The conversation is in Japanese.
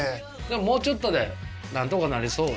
もうちょっとでなんとかなりそう？